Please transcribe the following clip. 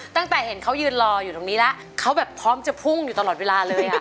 ตั้งแต่เห็นเขายืนรออยู่ตรงนี้แล้วเขาแบบพร้อมจะพุ่งอยู่ตลอดเวลาเลย